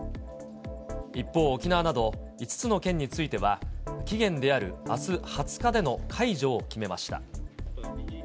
一方、沖縄など５つの県については、期限であるあす２０日での解除を決めました。